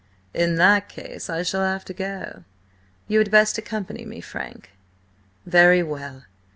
"In that case I shall have to go. You had best accompany me, Frank." "Very well.